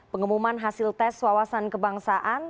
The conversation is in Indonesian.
pengumuman hasil tes wawasan kebangsaan